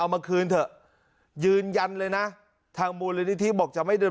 มาคืนเถอะยืนยันเลยนะทางมูลนิธิบอกจะไม่เดิน